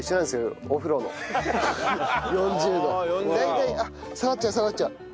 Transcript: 大体あっ下がっちゃう下がっちゃう。